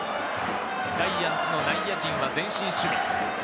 ジャイアンツの内野陣は前進守備。